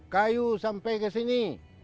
kayu sampai ke sini